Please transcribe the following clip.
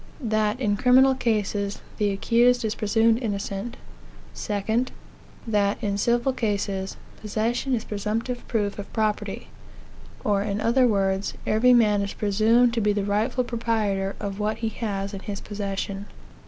That, in criminal cases, the accused is presumed innocent. 2. That, in civil cases, possession is presumptive proof of property; or, in other words, every man is presumed to be the rightful proprietor of whatever he has in his possession.